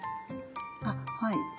あっはい。